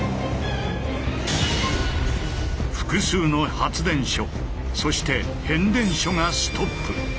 複数の発電所そして変電所がストップ。